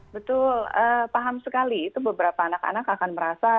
betul paham sekali itu beberapa anak anak akan merasa